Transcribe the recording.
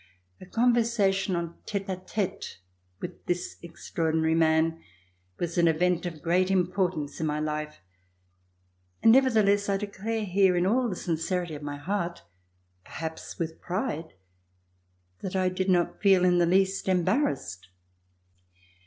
A conversation en tete a tete with this extraordinary man was an event of great importance in my life, AN AUDIENCE Wnil NAPOLEON and nevertheless 1 declare here in all the sincerity of my heart, perhaps with j)ride, that I did not feel in the least embarrassed.